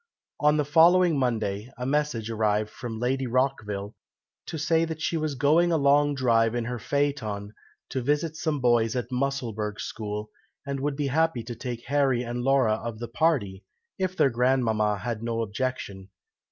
On the following Monday, a message arrived from Lady Rockville, to say that she was going a long drive in her phaeton, to visit some boys at Musselburgh school, and would be happy to take Harry and Laura of the party, if their grandmama had no objection.